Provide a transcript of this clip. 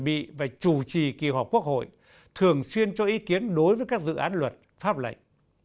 cơ quan chuẩn bị và chủ trì kỳ họp quốc hội thường xuyên cho ý kiến đối với các dự án luật pháp lệnh